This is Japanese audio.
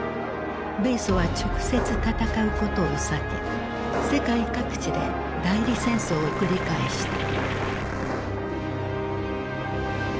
米ソは直接戦うことを避け世界各地で代理戦争を繰り返した。